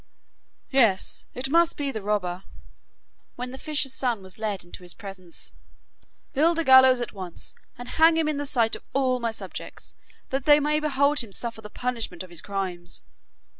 'Yes, it must be the robber,' said the king, when the fisher's son was led into his presence; 'build a gallows at once and hang him in the sight of all my subjects, that they may behold him suffer the punishment of his crimes.